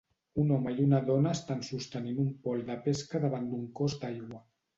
Un home i una dona estan sostenint un pol de pesca davant d'un cos d'aigua